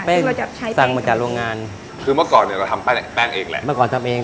เราจะใช้สั่งมาจากโรงงานคือเมื่อก่อนเนี้ยเราทำแป้งแป้งเองแหละเมื่อก่อนทำเอง